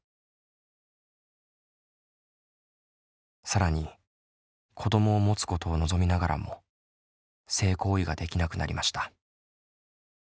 更に子どもを持つことを望みながらも性行為ができなくなりました。